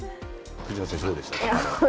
藤野選手、どうでした？